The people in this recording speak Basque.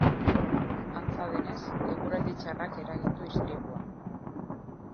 Antza denez, eguraldi txarrak eragin du istripua.